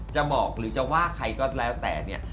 จะบอกหรือจะว่าใครก็แล้วแต่เนี่ย